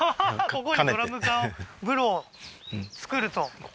ここにドラム缶風呂を作ると？